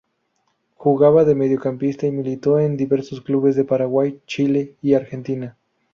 Jugaba de mediocampista y militó en diversos clubes de Paraguay, Chile y Argentina.